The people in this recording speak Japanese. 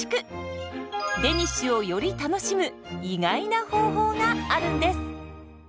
デニッシュをより楽しむ意外な方法があるんです。